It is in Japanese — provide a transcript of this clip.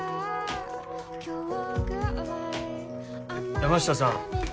山下さん